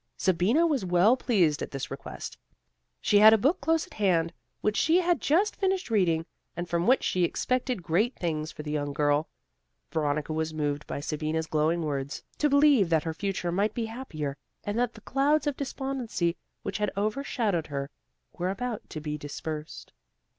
Sabina was well pleased at this request. She had a book close at hand, which she had just finished reading, and from which she expected great things for the young girl. Veronica was moved by Sabina's glowing words, to believe that her future might be happier, and that the clouds of despondency which had overshadowed her, were about to be dispersed.